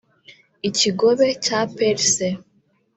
Ikigobe cya Perse